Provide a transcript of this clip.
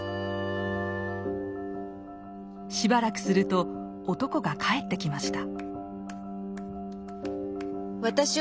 しばらくすると男が帰ってきました。